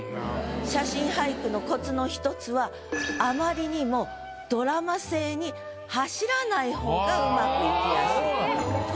写真俳句のコツの１つはあまりにもドラマ性に走らない方が上手くいきやすいと。